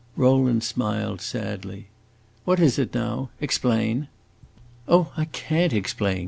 Rowland smiled sadly. "What is it now? Explain." "Oh, I can't explain!"